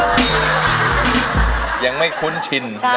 คุณพ่อคุณแม่ภูมิใจอะไรในตัวลูกคะ